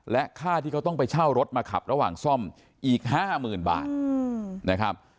และค่าที่เขาต้องไปเช่ารถมาขับระหว่างซ่อมอีกห้าหมื่นบาท